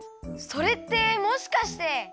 それってもしかして？